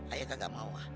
ayah kagak mau